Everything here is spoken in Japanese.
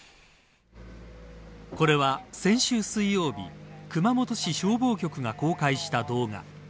これは先週水曜日熊本市消防局が公開した動画。